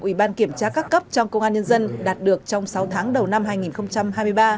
ủy ban kiểm tra các cấp trong công an nhân dân đạt được trong sáu tháng đầu năm hai nghìn hai mươi ba